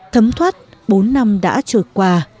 thấm thoát bốn năm đã trôi qua